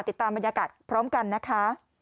ติดตามบรรยากาศพร้อมกันนะคะ